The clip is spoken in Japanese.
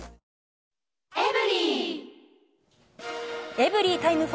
エブリィタイム４。